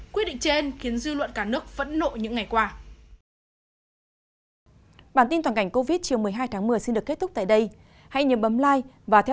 quyết định trên khiến dư luận cả nước phẫn nộ những ngày qua